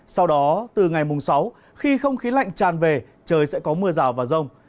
sau đó từ ngày mùng sáu khi không khí lạnh tràn về trời sẽ có mưa rào và rông